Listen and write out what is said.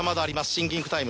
シンキングタイム。